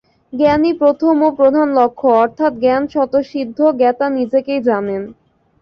জ্ঞানই প্রথম ও প্রধান লক্ষ্য, অর্থাৎ জ্ঞান স্বতঃসিদ্ধ, জ্ঞাতা নিজেকেই জানেন।